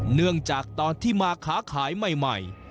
เนื่องจากตอนที่มาค้าขายใหม่